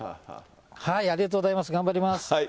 ありがとうございます、頑張ります。